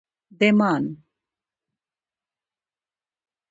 _ډمان